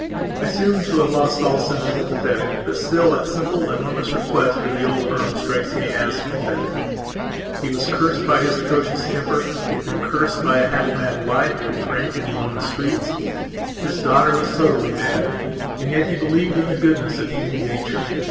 I seem to have lost all sense of the pathetic; but still, that simple, enormous request of the old colonel strikes me as pathetic. He was cursed by his atrocious temper; he had been cursed by a half mad wife, who drank and went on the streets. His daughter was totally madand yet he believed in the goodness of human nature.